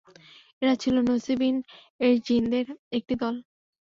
এরা ছিল নসীবীন-এর জিনদের একটি দল।